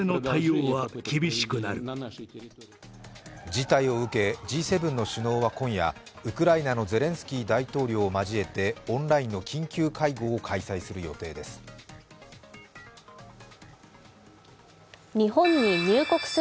事態を受け、Ｇ７の首脳は今夜ウクライナのゼレンスキー大統領を交えてオンラインの緊急会合を開催する予定です。